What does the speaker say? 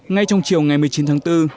ngay trong chiều ngày một mươi chín tháng bốn